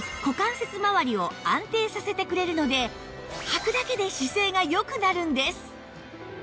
股関節まわりを安定させてくれるのではくだけで姿勢が良くなるんです